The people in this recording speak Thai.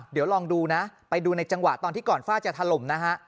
เดี๋ยวลองดูนะไปดูในจังหวะตอนที่ก่อนฝ้าจะถล่มนะฮะ